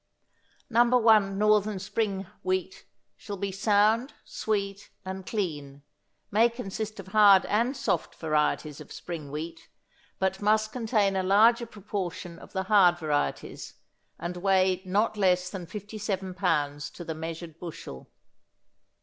No. 1 Northern Spring Wheat shall be sound, sweet and clean; may consist of hard and soft varieties of spring wheat, but must contain a larger proportion of the hard varieties, and weigh not less than 57 pounds to the measured bushel.